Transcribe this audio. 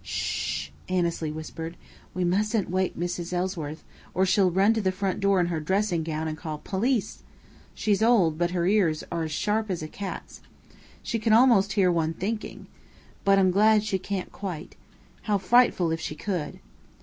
"Ssh!" Annesley whispered. "We mustn't wake Mrs. Ellsworth, or she'll run to the front door in her dressing gown and call 'Police!' She's old, but her ears are sharp as a cat's. She can almost hear one thinking. But I'm glad she can't quite. How frightful if she could!"